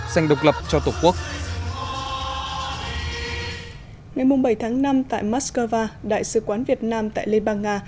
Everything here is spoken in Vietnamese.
dành độc lập cho tổ quốc ngày bảy tháng năm tại moscow đại sứ quán việt nam tại liên bang nga